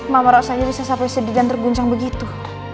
mama rasanya bisa sampai sedih dan terguncang begitu